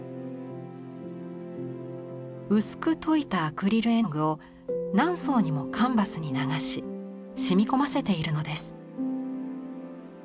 薄く溶いたアクリル絵の具を何層にもカンバスに流ししみ込ませているのです。